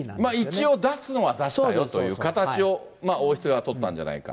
一応、出すのは出したよとという形を王室側は取ったんじゃないか。